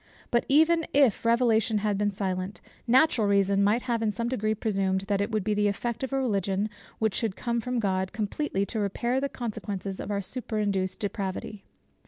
But even if Revelation had been silent, natural reason might have in some degree presumed, that it would be the effect of a Religion which should come from God, completely to repair the consequences of our superinduced depravity.